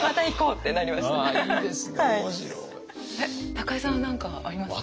高井さんは何かありますか？